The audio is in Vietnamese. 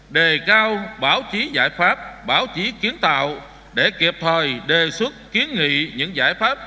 đề cao báo chí giải pháp báo chí kiến tạo để kịp thời đề xuất kiến nghị những giải pháp